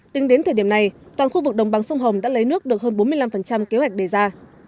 tính đến thời điểm này toàn khu vực đồng bằng sông hồng đã lấy nước được hơn bốn mươi năm kế hoạch đề ra